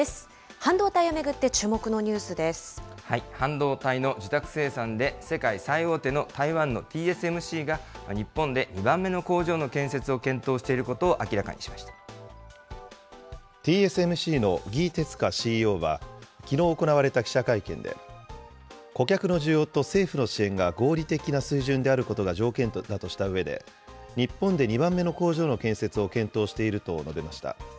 半導体を巡って、注目のニュース半導体の受託生産で世界最大手の台湾のＴＳＭＣが、日本で２番目の工場の建設を検討しているＴＳＭＣの魏哲家ＣＥＯは、きのう行われた記者会見で、顧客の需要と政府の支援が合理的な水準であることが条件だとしたうえで、日本で２番目の工場の建設を検討していると述べました。